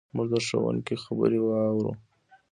موږ د ښوونکي خبرې واورو.